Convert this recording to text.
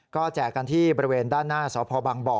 ก็แจกกันที่บริเวณด้านหน้าสพบังบ่อ